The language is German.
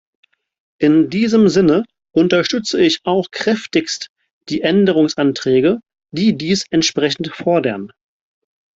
In diesem Sinne unterstütze ich auch kräftigst die Änderungsanträge, die dies entsprechend fordern.